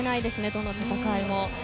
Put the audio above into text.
どの戦いも。